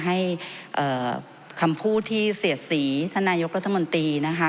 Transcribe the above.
ให้คำพูดที่เสียดสีท่านนายกรัฐมนตรีนะคะ